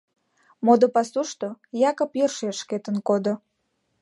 Модо пасушто Якып йӧршеш шкетын кодо.